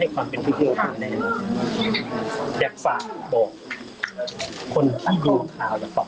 ให้เป็นทำมันบังใจผมด้วยทำให้ดูด้วยนะครับ